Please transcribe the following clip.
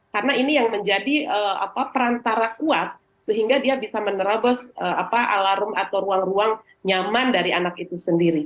karena ini yang menjadi perantara kuat sehingga dia bisa menerobos alarm atau ruang ruang nyaman dari anak itu sendiri